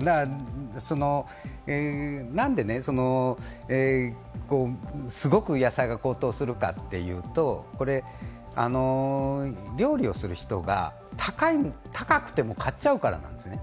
何ですごく野菜が高騰するかというと、料理をする人が高くても買っちゃうからなんですね。